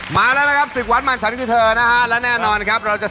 แสดงความรู้ใจคว้าไปก่อนหนึ่งหัวใจ